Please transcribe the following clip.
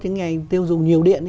những ngành tiêu dùng nhiều điện